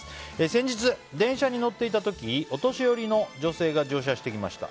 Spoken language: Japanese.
先日、電車に乗っていた時お年寄りの女性が乗車してきました。